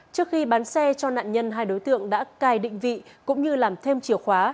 trước khi bán xe cho nạn nhân hai đối tượng đã cài định vị cũng như làm thêm chiều khóa